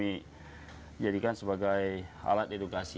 ini kami jadikan sebagai alat hidup kami